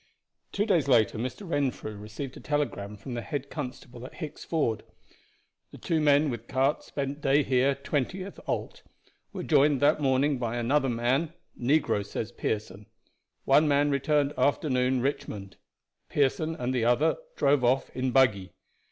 Two days later Mr. Renfrew received a telegram from the head constable at Hicks Ford: "The two men with cart spent day here, 20th ult. Were joined that morning by another man negro says Pearson. One man returned afternoon, Richmond. Pearson and the other drove off in buggy.